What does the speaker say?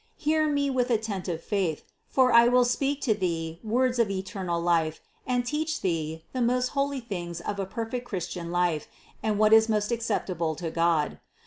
Hear me with attentive faith, for I will speak to thee words of eternal life and teach thee the most holy things of a per fect Christian life and what is most acceptable to God.